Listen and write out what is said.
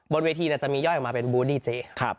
บนเวทีจะมีย่อยออกมาเป็นบูดี้เจ๊